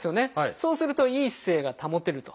そうするといい姿勢が保てると。